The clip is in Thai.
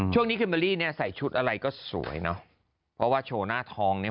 ช่วงนี้คลิมเบอรี่ใส่ชุดอะไรก็สวยนะเพราะว่าโชว์หน้าทองเนี่ย